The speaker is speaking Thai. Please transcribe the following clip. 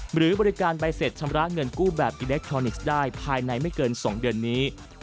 หรือบริการใบเสร็จชำระเงินกู้แบบอิเล็กทรอนิกส์ได้ภายในไม่เกิน๒เดือนนี้